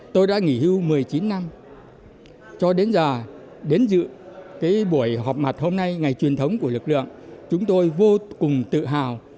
tôi đã nghỉ hưu một mươi chín năm cho đến giờ đến dự cái buổi họp mặt hôm nay ngày truyền thống của lực lượng chúng tôi vô cùng tự hào